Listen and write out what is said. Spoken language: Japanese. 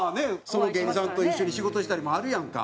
その芸人さんと一緒に仕事したりもあるやんか。